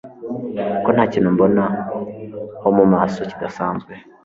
ko ntakintu umbona ho mu maso kidasanzwe